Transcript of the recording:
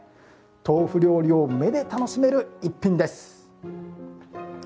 豆腐料理を目で楽しめる一品です。